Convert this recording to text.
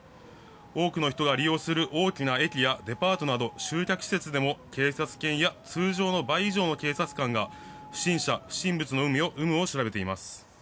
多くの人が利用する大きな駅やデパートなど集客施設でも警察犬や通常の倍以上の警察官が不審者、不審物の有無を調べています。